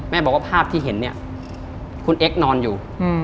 บอกว่าภาพที่เห็นเนี่ยคุณเอ็กซ์นอนอยู่